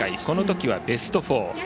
このときはベスト４。